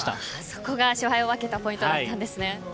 そこが勝敗を分けたポイントだったんですね。